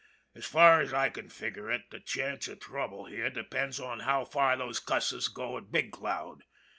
As far as I can figur' it the chance of trouble here depends on how far those cusses go at Big Cloud.